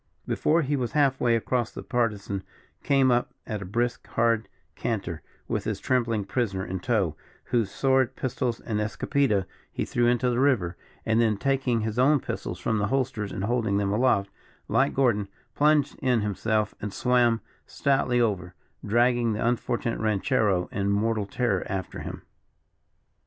Before he was half way across, the Partisan came up at a brisk, hard canter, with his trembling prisoner in tow, whose sword, pistols, and escopeta he threw into the river, and then taking his own pistols from the holsters, and holding them aloft, like Gordon, plunged in himself and swam stoutly over, dragging the unfortunate ranchero in mortal terror after him.